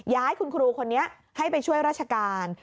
ย้ายคุณครูคนนี้ให้ไปช่วยราชการ